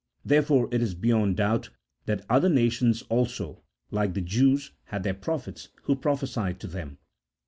Wherefore it is beyond doubt that other nations also, like the Jews, had their prophets, who prophesied to them.